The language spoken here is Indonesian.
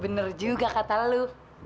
bener juga kata lu